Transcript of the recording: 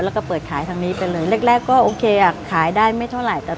แล้วก็เปิดขายทางนี้ไปเลยแรกแรกก็โอเคอ่ะขายได้ไม่เท่าไหร่